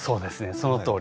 そのとおり。